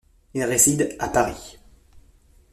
Il réside à Paris.